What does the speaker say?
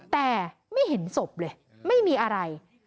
แต่ไม่เห็นศพเลยไม่มีอะไร